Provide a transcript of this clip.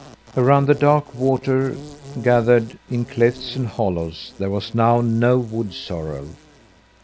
Around the dark water gathered in clefts and hollows there was now no wood sorrel.